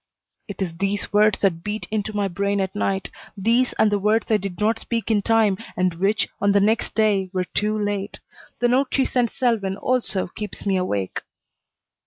It is these words that beat into my brain at night; these and the words I did not speak in time and which, on the next day, were too late. The note she sent Selwyn also keeps me awake.